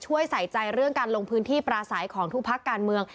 ใส่ใจเรื่องการลงพื้นที่ปราศัยของทุกพักการเมือง